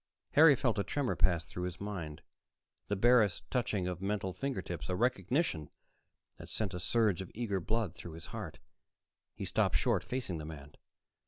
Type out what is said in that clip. Harry felt a tremor pass through his mind, the barest touching of mental fingertips, a recognition that sent a surge of eager blood through his heart. He stopped short, facing the man.